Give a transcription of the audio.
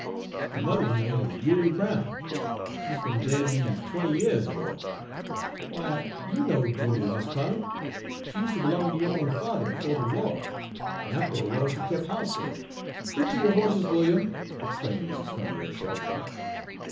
"Her mother's name wuz Julia Brown. She's be'n dead dese twenty years er mo'. Why, you knowed Julia, Mis' Polly! she used ter b'long ter yo' own father befo' de wah; an' after de wah she kep' house fer" "Look to your horses, William!" exclaimed Mrs. Carteret sharply.